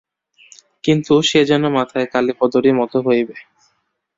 কিন্তু সে যেন মাথায় কালীপদরই মতো হইবে।